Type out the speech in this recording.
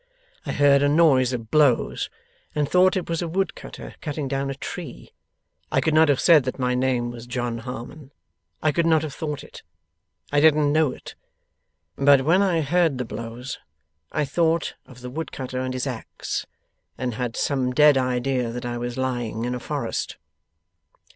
I heard a noise of blows, and thought it was a wood cutter cutting down a tree. I could not have said that my name was John Harmon I could not have thought it I didn't know it but when I heard the blows, I thought of the wood cutter and his axe, and had some dead idea that I was lying in a forest.